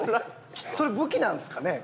それ武器なんすかね？